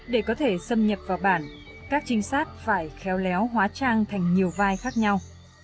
để có thể xâm nhập vào bản các trinh sát phải khéo léo hóa trang thành nhiều vai khác nhau